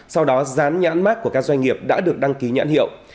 sau đó rán nhãn mát của các doanh nghiệp đã được đăng ký nhãn hiệu